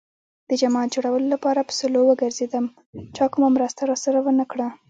د جماعت جوړولو لپاره په سلو وگرځېدم. چا کومه مرسته راسره ونه کړه.